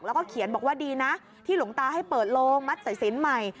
แล้วก็เขียนบอกว่าดีนะที่หลวงตาให้เปิดโลงมัดสายสินใหม่